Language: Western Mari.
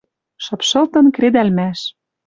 Шыпшылтын кредӓлмӓш